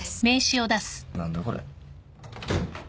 何だこれ？